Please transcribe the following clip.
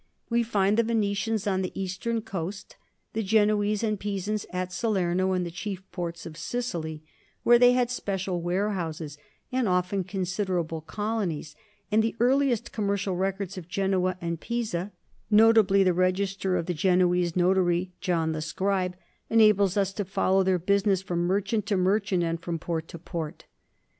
We find the Venetians on the eastern coast, the Genoese and Pisans at Salerno and the chief ports of Sicily, where they had special warehouses and often considerable colonies; and the earliest commercial records of Genoa and Pisa, notably the register of the Genoese notary, John the Scribe, enable us to follow their business from merchant to merchant and from port to port.